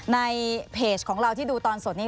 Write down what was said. ในเพจของเราที่ดูตอนสดนี้